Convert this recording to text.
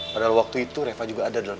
padahal waktu itu reva juga ada dalam